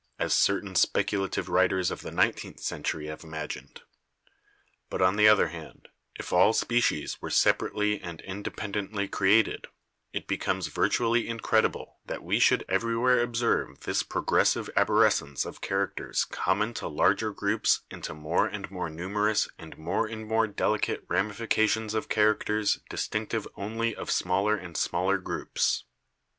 (as cer tain speculative writers of the nineteenth century have imagined). But, on the other hand, if all species were separately and independently created, it becomes virtually incredible that we should everywhere observe this pro gressive arborescence of characters common to larger groups into more and more numerous and more and more delicate ramifications of characters distinctive only of smaller and smaller groups.